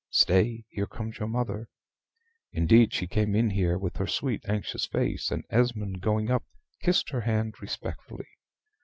Stay, here comes your mother" (indeed she came in here with her sweet anxious face, and Esmond going up kissed her hand respectfully).